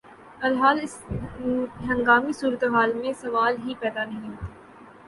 ی الحال اس ہنگامی صورتحال میں سوال ہی پیدا نہیں ہوتا